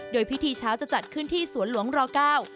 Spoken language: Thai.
โดยพิธีเช้าจะจัดขึ้นที่สวนหลวงรเก้า